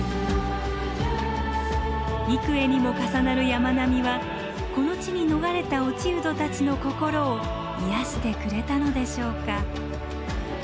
幾重にも重なる山並みはこの地に逃れた落人たちの心を癒やしてくれたのでしょうか？